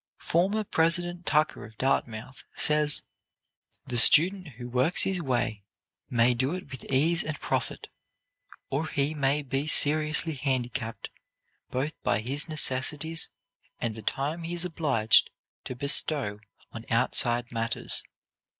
Former President Tucker of Dartmouth says: "The student who works his way may do it with ease and profit; or he may be seriously handicapped both by his necessities and the time he is obliged to bestow on outside matters.